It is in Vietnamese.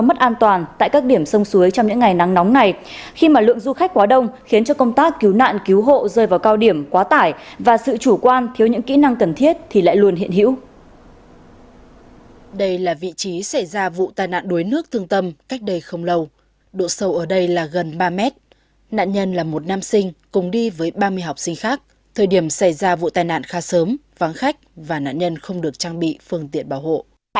bộ tài nạn khá sớm vắng khách và nạn nhân không được trang bị phương tiện bảo hộ